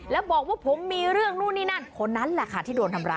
แล้วบอกว่าผมมีเรื่องนู่นนี่นั่นคนนั้นแหละค่ะที่โดนทำร้าย